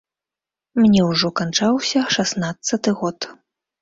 Мне ўжо канчаўся шаснаццаты год.